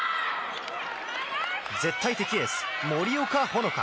絶対的エース森岡ほのか。